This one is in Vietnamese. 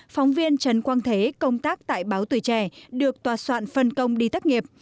phóng viên trần quang thế công tác tại báo tuổi trẻ được tòa soạn phân công đi tắc nghiệp